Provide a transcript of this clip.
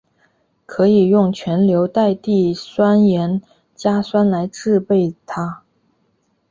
可以用全硫代锑酸盐加酸来制备它。